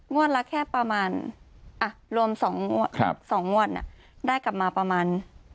ละแค่ประมาณรวม๒งวดได้กลับมาประมาณ